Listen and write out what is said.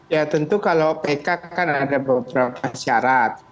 ya tentu kalau pk kan ada beberapa syarat